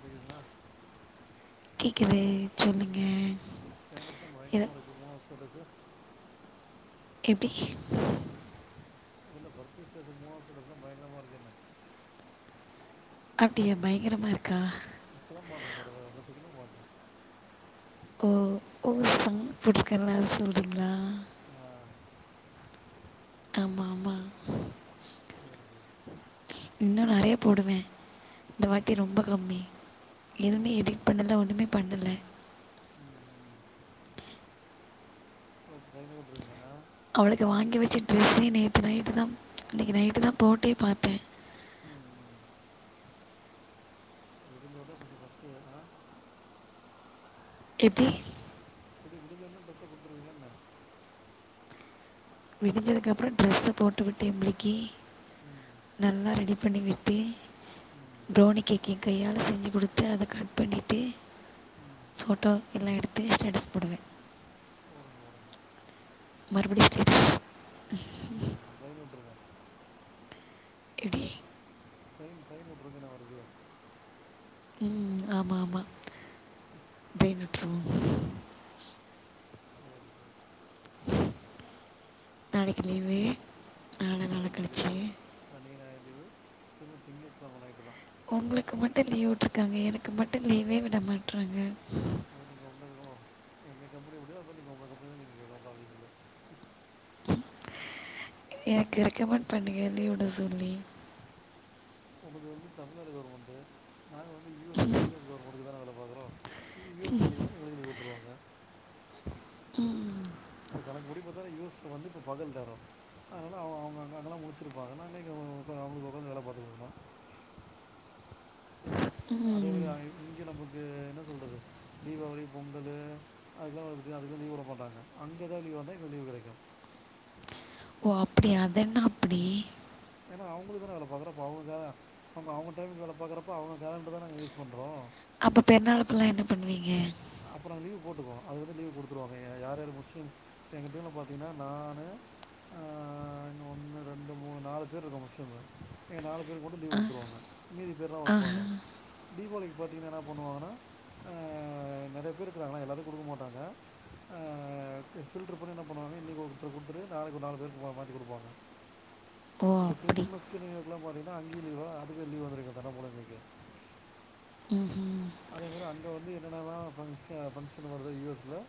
கேக்குதுங்ளா கேக்குது ம் ஸ்டேட்டஸ்லாம் ஏதோ பயங்கரமா இருக்குது மூணாவ்து ஸ்டேட்டஸு எப்டி அதுல்ல பர்த்டே ஸ்டேஸஸ் மூணாவ்து ஸ்டேட்டஸ்ல்லா பயங்கரமா இருக்கேன்ன அப்டியா பயங்கரமா இருக்கா இப்போ தா பாத்தே ஒரு ரெண்டு செகண்டா பாத்தே ஓ ஓ சாங்க் போட்ருக்கேன்ல அத சொல்றீங்ளா ஆ ஆமா ஆமா செரி செரி இன்னு நறைய போடுவே இந்த ம் வாட்டி ரொம்ப கம்மி எதுமே ஆஹா எடிட் பண்ணல ஒன்னுமே பண்ணல ம் ம் அப்றோ ஒரு ட்ரெயினே வுட்ருவீங்க ஆ அவளுக்கு வாங்கி வச்ச ட்ரெஸ்ஸு நேத்து நைட்டு தா இன்னைக்கி நைட்டு தா போட்டே பாத்தே ம் ம் விடிஞ்சடனே ஃபஸ்டு ஃபஸ்டு ஆ எப்டி விடிஞ்சடனே டிரெஸ்ஸ கொடுத்துருவீங்ளா என்ன விடிஞ்சதுக்கப்பறோ ட்ரெஸ போட்டுவிட்டு ஏ பிள்ளைக்கி ம் நல்லா ரெடி பண்ணி விட்டு ம் ப்ரௌனி கேக் கையாலக்ஷ செஞ்சு கொடுத்து அத கட் பண்ணிட்டு ம் ஃபோட்டோ எல்லா எடுத்து ஸ்டேட்டஸ் போடுவே போடுங்க போடுங்க மறுபடி ஸ்டேட்டஸ் ம் ட்ரெயின் விட்றுங்க எப்டி ட்ரெயின் ட்ரெயின் விற்றுங்கன வரிசயா ம் ஆமா ஆமா ட்ரெயின் விற்றுவோ வேறு நாளைக்கு லீவு நாள ம் நாள ரெண்டு நாள் லீவு கழச்சு சனி ஞாயிறு லீவு திரும்ப திங்ககிழம நைட்டு தா உங்களுக்கு மட்டு லீவ் விடட்டருக்காங்க எனக்கு மட்டு லீவே விட மாட்றாங்க அது நீங்க உங்களோ எங்க கம்பனி எப்டியா அப்போ நீங்க உங்க கம்பெனி தா நீங்க கேக்கலா ஆபீஸ்ல எனக்கு ரெக்கமெண்ட் பண்ணுங்க லீவ் விட சொல்லி உங்கள்து வந்து தமிழ்நாடு கவர்மெண்ட்டு நாங்க வந்து யு எஸ் யு எஸ் கவர்மெண்ட்டுக்கு தான வேல பாக்றோ ய எஸ் கவர்மென்ட் எங்களுக்கு லீவ் விட்டுருவாங்க ம் இப்ப கணக்கு படி பாத்தா யூஸ்ல வந்து இப்ப பகல் நேரோ அதனால அவ அவங்க அங்கெல்லா முழிச்சிருப்பாங்க நாங்க இங்க அவங்களுக்கு உட்க்காந்து வேல பாத்துட்டு இருக்கோ அதே மாரி இங்க நமக்கு என்ன சொல்றது தீபாவளி பொங்கல் அதுெல்லா வருது அதுகெல்லா லீவ் விட மாட்டாங்க அங்க எதாவது லீலாயிருந்தா எங்களுக்கு லீவு கெடைக்கு ஓ அப்டியா அதனா அப்டி ஏனா அவுங்களுக்கு தான வேல பாக்றோ அவுங்கதா நம்ப அவுங்க டைமிக்கு வேலபாக்கறப்ப அவுங்க கேலண்டர் தான நாங்க யூஸ் பண்றோ அப்ப பெருநாள்க்கு எல்லா என்ன பண்வீங்க அப்ப நா லீவு போட்டுப்போ அது வந்து லீவ் கொடுத்துருவாங்க யார் யார் முஸ்லிம் எங்க டீம்ல பாத்தீங்னா நானு ஆ ஒன்னு ரெண்டு மூணு நாலு பேர் இருக்கோ முஸ்லீமு எங்க நாலு பேர்க்கு மட்டு லீவ் கொடுத்துருவாங்க மீதி பேர்லா ஒர்க் ஆஹா பண்ணணு தீபாவளிக்கு பாத்திங்னா என்ன பண்ணுவாங்னா நெறைய பேர் இருக்கிறாங்னா எல்லாருக்கு கொடுக்க மாட்டாங்க ஆ ஃபில்ட்ர் பண்ணி என்ன பண்ணுவாங்க இன்னைக்கு ஒருத்தர் கொடுத்துட்டு நாளைக்கு ஒரு நாலு பேர் மாத்தி கொடுப்பாங்க [inaudible] இப்ப அப்படி கிறிஸ்மஸ்கு நீயூயர்க்குலா பாத்திங்னா அங்கேவு லீவா அதுக்கு லீ்வு வந்துடு இங்கதடபுடல இருக்கு ம் ம் அதே மாதிரி அங்க வந்து என்ன என்னால ஃபங்ச ஃபங்க்ஷன் வருதோ யு எஸ்ல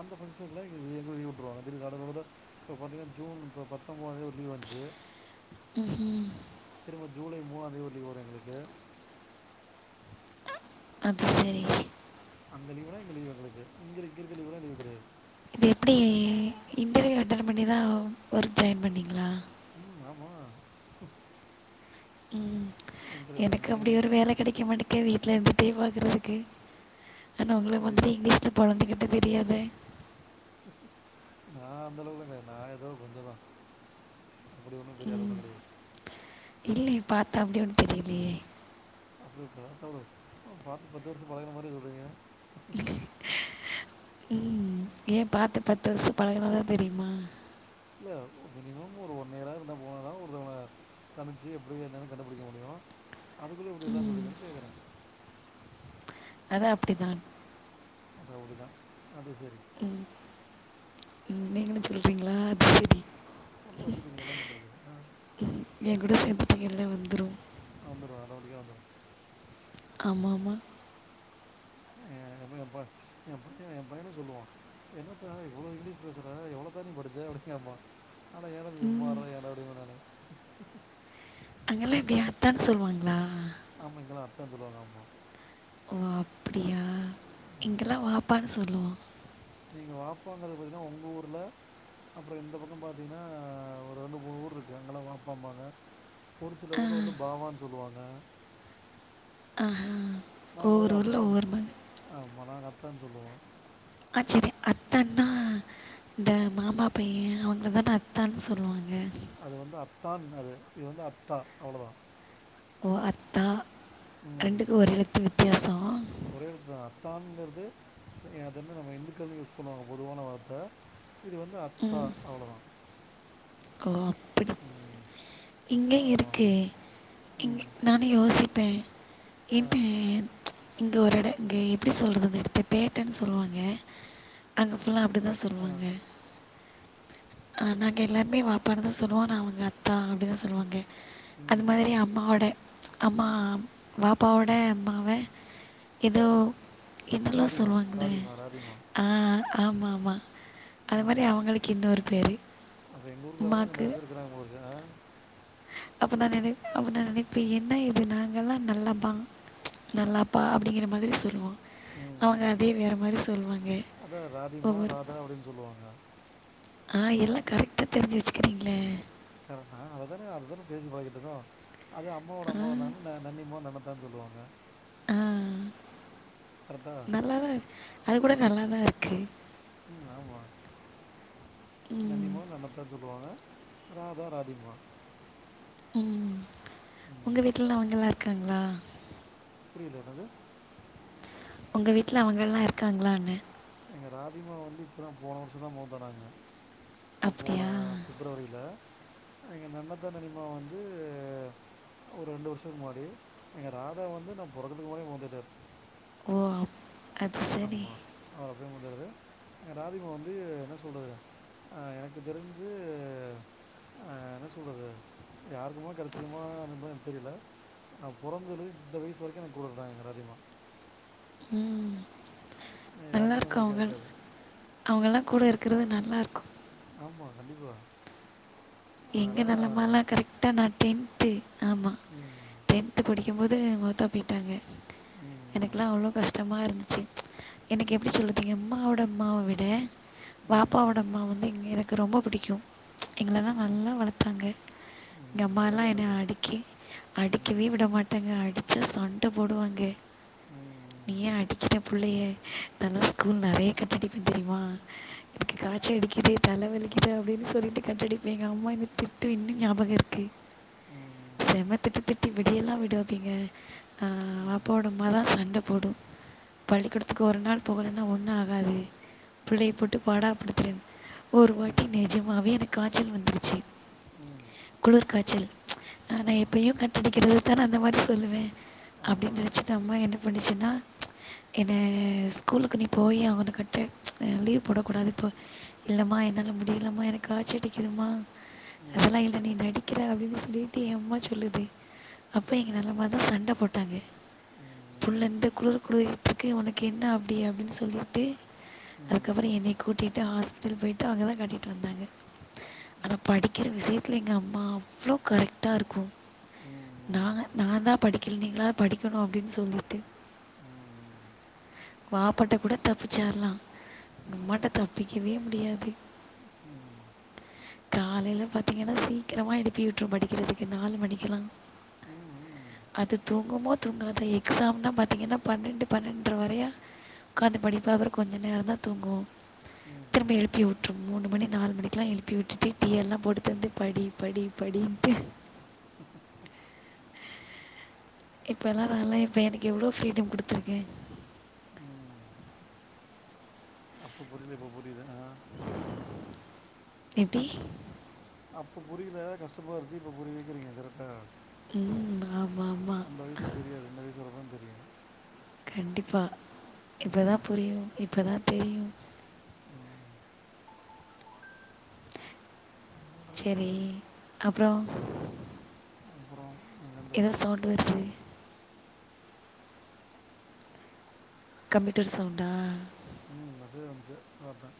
அந்த ஃபங்கஷன்ல எங்களுக் லீவு விட்ருவாங்க தீடீர் நடு நடுவுல இப்ப பாத்தீங்னா ஜுன் இப்போ பத்தொன்ம்பது ஒரு லீவு இருந்துச்சு ம் ம் திரும்ப ஜூலை மூணா தேதி ஒரு லீவ் வரு எங்களுக்கு அப்ப சேரிங்க அங்க லீவுனா இங்க லீவ் எங்களுக்கு இங்க இருக்குறது லீவுல்லா லீவ் கெடையாது இது எப்டி இன்டர்வியூ அட்டன் பண்ணி தா ஒர்க் ஜாயின் பண்ணிங்களா ம் ஆமா ம் அட்டன் எனக்கு பண்ணி அப்டி ஒரு வேல கெடைக்க மாடி க்கு வீட்ல இருந்துட்டே பாக்குறதுக்கு ஆனா உங்கள் இது மாதிரி இங்கிலீஷ்ல பொழந்துக்கட்ட தெரியாதே நா அந்த அளவுக்குலா கெடையா நா ஏதோ கொஞ்சொ தா அப்டி ஒன்னு பெரிய அளவுலா கெடையா இல்லயே பாத்தா அப்டி ஒன் தெரியிலியே அப்டியா பாத்தோடு பாத்து பத்து வருஷ பழகுன மாரி சொல்றீங்க ம் ஏ பாத்து பத்து வருஷ பழகுனதா தெரியுமா இல்ல மினிமம் ஒரு ஒன் இயராது இருந்தா போனதா ஒரு தவன கனிச்சு எப்டி என்னென்னு கண்டுபிடிக்க முடியு அதுக்குள்ளே எப்டி எல்லா சொல்றீங்கன்னு கேக்குறே அது அப்டிதான் ரவுடிதா அது சேரி ம் ம் நீங்களு சொல்றீங்களா சொல்ல வெச்சிடிங்களே என்ன பண்றது ஆ எங்கூட சேர்ந்த்துட்டீங்கள்ளே வந்துறு வந்துரு அடோமேடிக்கா வந்துரு ஆமா ஆமா எப்டி எ அப்பா எ பைய எ பையனே சொல்லுவா என்னத்தா இவ்வளோ இங்கிலீஷ் பேசுற எவ்ளோத்தா நீ படிச்ச அப்டி கேப்பா ஆனா எடா லீவ் போட்ற எடா இப்டி நானு அங்க எல்லா எப்டி அத்தான்னு சொல்லுவாங்களா ஆமா இங்கெல்லா அத்தான் சொல்லுவாங்க ஆமா ஓ அப்டியா இங்கெல்லா வாப்பான்னு சொல்லுவோ நீங்க வாப்பாங்குறது பாத்தின்னா உங்க ஊர்ல அப்புறொ இந்த பக்க பாத்தீங்ன்னா ஒரு ரெண்டு மூணு ஊர் இருக்கு அங்க எல்லா வாப்பாம்பாங்க ஒரு சில ஊர்ல வந்து பாவான்னு சொல்லுவாங்க ஆஹா நாங்க வந்து அத்தான் ஆமா நாங்க அத்தான்னு சொல்லுவோ ஆ செரி அத்தான்னா இந்த மாமா பைய அவங்களதான அத்தான்னு சொல்லுவாங்க அது வந்து அத்தான் அது இது வந்து அத்தா அவ்ளதா ஓ அத்தா ரெண்டுக்கு ஒரு எழுத்து வித்தியாசோ ஒரெழுத்துதா அத்தான்ங்குறது அதுமே நம்ம இந்துக்கலு யூஸ் பண்ணுவாங்க பொதுவான வார்த்த இது வந்து அத்தா ம் அவ்ளோதா ஓ அப்டி ம் அத்தா இங்கேயு அம்மா இருக்கு அவ்வளோதான் இங்க ம் நா யோசிப்பே ஆ இப்ப ஏ இங்கே ஒரு எட இங்கே எப்டி சொல்றது எடுத்து பேட்டேன்னு சொல்லுவாங்க அங்க ஃபுல்லா அப்டிதா ஆ சொல்லுவாங்க அ நாங்க எல்லாருமே வாப்பானு தா சொல்லுவோ நா அவுங்க அத்தா அப்டிதா சொல்லுவாங்க அது ம் மாதிரி ம் அம்மாவோட அம்மா வாப்பாவோட அம்மாவ ஏதோ என்னலோ ராதிமா சொல்வாங்ளே ராதிமா ராதிமா ஆ ஆமாமா அது மாதிரி அவுங்களுக்கு இன்னொரு பேர் அப்ப எங்க ஊருக்காரவங்க அங்க நெறைய பேரு இருக்கிறாங்க போலிருக்கு அப்ப நா நெனைப்ப அப்ப நா நெனைப்பே என்ன இது நாங்கல்லா நல்லா‌ பா நல்லாப்பா அப்டிங்கிற மாதிரி சொல்லுவோ ம் அவங்க ம் அதே வேற மாரி சொல்லுவாங்க அதான் ராதிமா ஒவ்வொரு ராதா அப்படின்னு சொல்லுவாங்க ஆ எல்லா கரெக்டா தெரிஞ்சு வச்சுக்கிறீங்ளே கரனா அததான அததான பேசி பழிகிட்டு இருக்கோ அது அம்மாவோட ஆ அம்மாவார்ந்தா ன்ன நண்ணிமா நன்னத்தானு சொல்லுவாங்க ம் கரெக்டா நல்லா தா இருக் அது கூட நல்லா தா இருக்கு ம் ஆமா ம் நண்ணியமா நன்னத்தா சொல்லுவாங்க ராதா ராதிம்மா ம் உங்க ம் வீட்லலா அவங்கல்லா இருக்காங்ளா புரியல என்னது உங்க வீட்ல அவங்கல்லா இருக்காங்களாண்ண எங்க ராதிமா வந்து இப்போ தா போன வருஷ தா மௌத்தானாங்க போன அப்படியா பிப்ரவரியில எங்க நன்னத்த நனிமா வந்து அவுங்க ரெண்டு வருஷத்துக்கு முன்னாடி எங்க ராத வந்து நா பொறக்கத்துக்கு முன்னாடியே மௌத்தாய்டாரு ஓ அப் அது சரி ஆமா அவர் அப்யே மௌதாய்டாரு எங்க ராதிமா வந்து என்ன சொல்றது அ எனக்கு தெரிஞ்சு ஆ என்ன சொல்றது யாருக்குமா கெடைச்சிருமோ அதுமேர் தெரியில நா பொறந்திலேந்து இந்த வயசு வரைக்கு என கூட இர்தாங்க எங்க ராதிமா ம் நல்லா யாருக்குமே அந்த இருக்கு மாரி அவுங்கள் கெடைக்காது அவங்கல்லா கூட இருக்கிறது நல்லார்க்கு ஆமா கண்டிப்பா எங்க அதனால நல்லமலா கரெக்டா நா டென்த்து ஆமாம் ம் டென்த்து படிக் கம்போது மௌத்தா போயிட்டாங்க ம் எனக்குலா ம் அவ்ளோ கஷ்டமா இருந்து சி எனக்கு எப்டி சொல்றது எம்மாவோட அம்மாவ விட ம் வாப்பாவோ ம் டம்மா வந்து எனக்கு ரொம்ப பிடிக்கு எங்களெலா நல்லா வளத்தாங்க எங்க ம் அதே அம்மாலா தான் என்னய எனக்கும் அடிக்கி அடிக்கவே ம் விட மாட் டாங்க அடிச்சா சண்ட போடுவாங்க ம் நீயே ஏ அடிக்கிற புள்ளைய நா லா ஸ்கூல் நறைய கட் டடிப்ப தெரியுமா எனகு காய்ச்ச அடிக்குது தல வலிக்குது அப்டின் சொல்லிட்டு கட்டடி பே எங்கம்மா என்ன திட்டுவிட்டு ஞாபக இருக்கு ம் செம திட்டு திட்டி விடியெல்லா விடுவப்பீங்க அ ம் வாப்பாவோட அம்மாதா சண்ட போடு பள்ளிக்கொடத்துக்கு ஒரு நாள் போகலன்னா ஒண்ணு ஆகாது பிள்ளைய போட்டு பாடா படுத்துற ஒரு வாட்டி ம் நிஜமாவே எனக்கு காய்ச்சல் வந்துருச்சு ம் குளிர் காய்ச்சல் நா ஆ எப்பயு கட்டடிக்கிறதுக் தா அந்த மாரி சொல்லுவே அப்டின் ஆமாம் நெனச்சட்டு அம்மா என்ன பண்ணிச்சுனா என்ன ஸ்கூலுக்கு நீ போயே ஆவுணு கட்ட லீவ் போடக்க கூடாது போ இல்லமா என்னால முடியிலமா எனக்கு காச்ச அடிக்குதுமா ம் அதல்லா இல்ல நீ நடிக்கிற அப்டின்னு சொல்லிட்டு என் அம்மா சொல்லுது அப்ப இங்க நலமாதா சண்ட போட்டாங்க ம் புள்ள இந்த குளிரு குளிரிட்டு இருக்கு ஒனக்கு என்னா அப்டி அப்டின் சொல்லிட்டு ம் ம் அதுக்கப்புற என்னய கூட்டிட்டு ஹாஸ்பிட்டல் போயிட்டு அவங்கதா காட்டிட்டு வந்தாங்க ஆனா படிக்கிற விசியத்தில எங்க அம்மா அவ்ளோ கரெக்ட்டா இருக்கும் ம் நாங்க நாதா படிக்கில நீங்களா படிக்கணு அப்டின் சொல்லிட்டு வாப்பாட்ட கூட தப்பிச்சிரலா எங்கம்மாட்ட தப்பிக்கவே முடியாது ம் காலையில பாத்தீங்கன்னா சீக்கிரமா எழுப்பி விட்டுரு படிக்கிறதுக்கு நாலு மணிக்குலா ம் ம் அது தூங்குமோ தூங்காத எக்ஸாம்னா பாத்தீங்கன்னா பன்னண்டு பன்னண்டர வரையு உக்காந்து படிப்ப அப்புறம் கொஞ்ச நேரந்தா தூங்கும் திரும்பி எழுப்பி உட்ரும் மூணு மணி நாலு மணிக் குலா எழுப்பி விட்டுட்டு டீயெல்லா போட்டு தந்து படி படி படின்ட்டு ம் ம் இப்ப எல்லாரலலா இப்ப எனக்கு எவ்ளோ ஃப்ரீடம் குடுத்துருக்கு ம் அப்ப புரியில இப்ப புரியுது ஆ எப்டி அப்ப புரியில கஷ்டமா இருன்ச்சி இப்ப புரிய வக்கிறீங்க கரட்டா ம் ஆமா ஆமா அந்த வயசுக்கு தெரியாது இந்த வயசுலதா தெரியு கண்டிப்பா இப்பதா ம் புரியும் இப்பதா தெரியும் ம் செரி அப்புறம் அப்புறம் நீங்கதா எதோ சவுண்டு வருது கம்ப்யூட்டர் சவுண்டா ம் மெசேஜ் வந்துச்சி ஒருத்தன்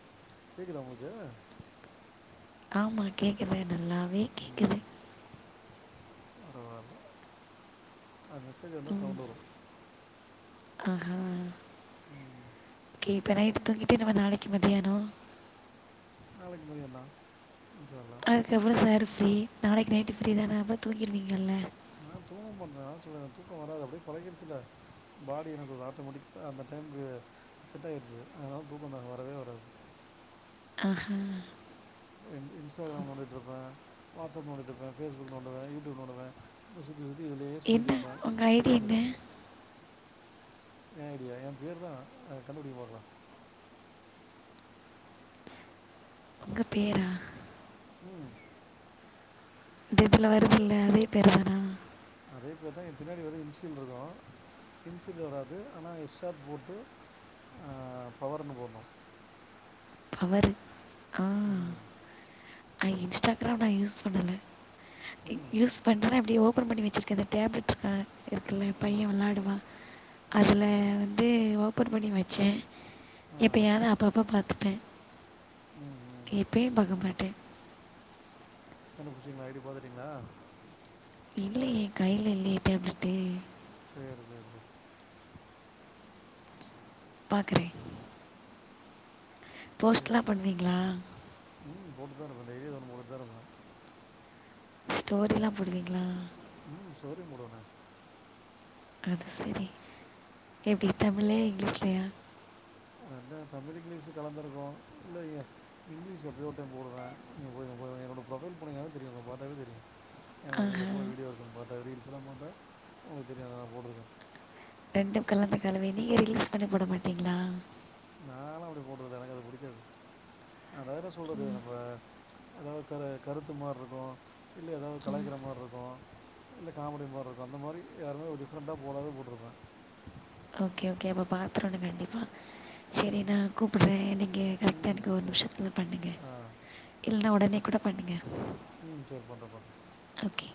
கேக்குதா உங்களுக்கு ஆமா கேக்குது நல்லாவே கேக்குது பரவால்ல அது மெசேஜ் வந்து சவுண்டு வரும் ஆஹ ம் ஓகே இப்ப நைட்டு் தூங்கிட்டு நம்ம நாளைக்கு மத்தியானம் நாளைக்கு மதியந்தா உஷார்தா அதுக்கப்புற சார் ஃப்ரீ நாளைக்கு நைட்டு ஃப்ரீ தான அப்புறோ தூங்கிருவிங்க இல்ல நா தூங்க மாட்ட நாதா சொல்றனே தூக்கம் வராது அப்டியே பழகிருச்சி இல்ல பாடி என்ன சொல்து ஆட்டோமேட்டிக்க அந்த டைமுக்கு செட்டாயிருச்சி அதனால தூக்கந்தா வரவே வராது ஆஹ என் ரீல்ஸு எதனா நோண்டிட்டு இருப்ப வாட்ஸ்அப் நோண்டிட்டு இருப்ப பேஸ்புக் நோண்டுவ யூடியூப் நோண்டுவ இப்ப சுத்தி சுத்தி இதுலே என்ன சுத்திட்டு இருப்ப உங்க ஐடி என்ன? விடிஞ்சிரு ஏ ஐடியா என் பேரு தா கண்டுபிடிங்க பாக்கலா உங்க பேரா ம் இந்த இதுல வருது இல்ல அதே பேருதானா அதே பேரு தா என் பின்னாடி வந்து இன்ஷியல் இருக்கும் இன்ஷியல் வராது ஆனா இன்ஸ்ட்டா போட்டு ஆ பவர்னு போடனும் பவரு ஆ ம் அ இன்ஸ்டாகிராம் நா யூஸ் பண்ணல ம் யூஸ் பண்ற அப்டி ஓப்பன் பண்ணி வச்சிருக் எந்து டேப்லட் இருக்க இருகுல்ல பைய ம் விளாடுவா ம் அதுல ம் இது ஓப்பன் பண்ணி வச்சே ஆ எப்யாது அப்ப அப்ப பாத்துபே ம் ம் எப்பயு பக்க மாட்ட கண்டுபுடிச்சிங்களா ஐடி பாத்திடிங்களா இல்லயே கைல இல்லயே டேப்லட்டு சேரி சேரி சேரி பாக்கறே சரி போஸ்ட்லாம் ச பண்ணுவீங்களா ம் போட்டு தா இருப்ப டெய்லி எதோ ஒண்ணு போட்டுட்டு தா இருப்ப ஸ்டோரிலா போடுவிங்களா ம் ஸ்டோரியு போடுவனே அது சரி எப்டி தமிழ்லயா இங்கிலீஷ்லயா ரெண்டு தமிழ் இங்கிலீஷ் கலந்திருக்கு இல்லய இங்கிலீஷ் எப்பயோ ஒருடைம் போடுவ நீங்க என்னோட ப்ரொஃபைல் போனீங்னாவே தெரியு பாத்தாவே தெரியு ஏன்னா நா வீ ஆஹா வீடியோ இருக்குன்னு பாத்தா ரீல்ஸ் எல்லா பாத்தா உங்களுக்கு தெரிய நா போட்டுருக்கேன் ரெண்டு கலந்த கலவை நீ ரீல்ஸ் பண்ணி போட மாட்டிங்களா நால அப்டி போட்றதுல்ல எனக் அது புடிகாது அதா என்ன சொல்றது ம் நம்ப எதா கருத்து மாரி இருக்கு இல்ல எதா கலைக்கிற மாரி இருக்கு இல்ல காமடி போட்றது அந்த மாரி யாருமே டிஃப்ரெண்டா போடாது போட்ருப்ப ஓகே ஓகே அப்ப பாத்தரனு கண்டிப்பா செரி நா கூப்பட்றே நீங்க கரெக்டா ம் எனக் ஒரு சரி நிமிஷத்ல பண்ணுங்க ஆ இல்லனா ஒடனே கூட பண்ணுங்க சேரி பண்ற பண்ற ஓகே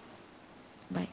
பாய்